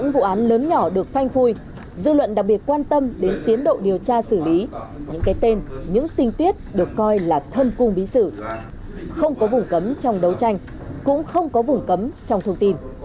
các bạn đặc biệt quan tâm đến tiến độ điều tra xử lý những cái tên những tinh tiết được coi là thân cung bí sử không có vùng cấm trong đấu tranh cũng không có vùng cấm trong thông tin